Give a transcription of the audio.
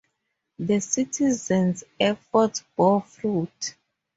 The citizens' efforts bore fruit.